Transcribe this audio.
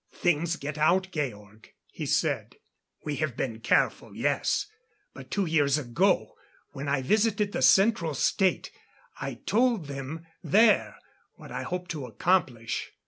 "Things get out, Georg," he said. "We have been careful yes. But two years ago, when I visited the Central State, I told them there what I hoped to accomplish.